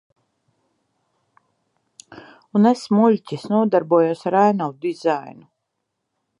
Un es, muļķis, nodarbojos ar ainavu dizainu.